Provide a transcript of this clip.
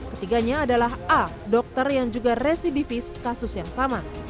ketiganya adalah a dokter yang juga residivis kasus yang sama